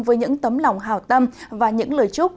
với những tấm lòng hào tâm và những lời chúc